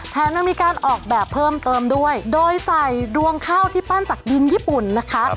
ยังมีการออกแบบเพิ่มเติมด้วยโดยใส่ดวงข้าวที่ปั้นจากดินญี่ปุ่นนะคะ